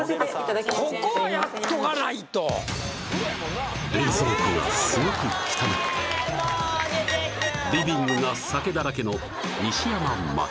ここはやっとかないと冷蔵庫がすごく汚くてリビングが酒だらけの西山茉希